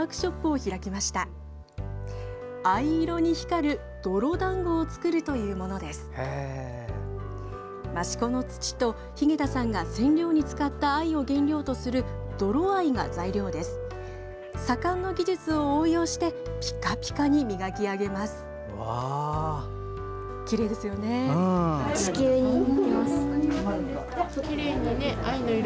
左官の技術を応用してピカピカに磨き上げます。